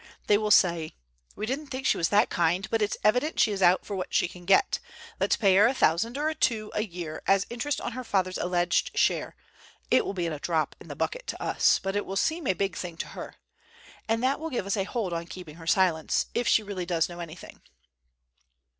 They will say: 'We didn't think she was that kind, but it's evident she is out for what she can get. Let's pay her a thousand or two a year as interest on her father's alleged share—it will be a drop in the bucket to us, but it will seem a big thing to her—and that will give us a hold on her keeping silence, if she really does know anything.